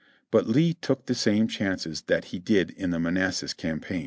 But Lee took the same chances that he did in the Manassas campaign.